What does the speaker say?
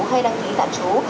hay đăng ký tạm chú